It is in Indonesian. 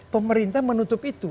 pemerintah menutup itu